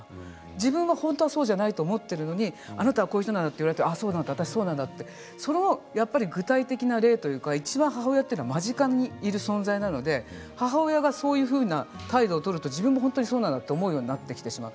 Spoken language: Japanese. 自分は本当はそうじゃないと思っているのにあなたはこういう人なのとなると私はそうなんだと具体的な例というかいちばん母親というのは間近にいる存在なので母親がそういうふうな態度を取ると自分もそうなんだと思うようになってきてしまう。